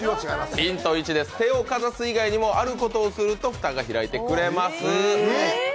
ヒント１です、手をかざす以外にもあることをすると蓋が開いてくれます。